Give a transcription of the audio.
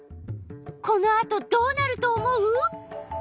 このあとどうなると思う？